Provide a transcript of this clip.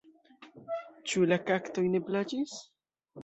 Ĉu la kaktoj ne plaĉis?